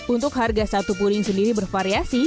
untuk harga satu puling sendiri bervariasi